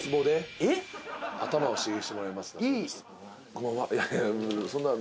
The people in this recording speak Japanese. こんばんは。